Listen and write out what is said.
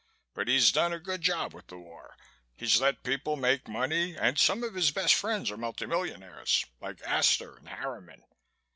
But he's done a good job with the war, he's let people make money and some of his best friends are multi millionaires, like Astor and Harriman.